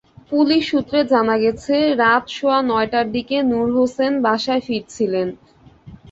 Police সূত্রে জানা গেছে, রাত সোয়া নয়টার দিকে নুর হোসেন বাসায় ফিরছিলেন।